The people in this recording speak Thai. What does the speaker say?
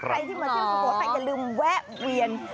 ใครที่มาเที่ยวสุโขทัยอย่าลืมแวะเวียน